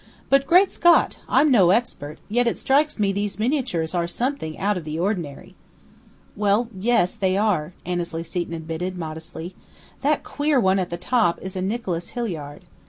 "But, great Scott! I'm no expert, yet it strikes me these miniatures are something out of the ordinary!" "Well, yes, they are," Annesley Seton admitted, modestly. "That queer one at the top is a Nicholas Hilliard.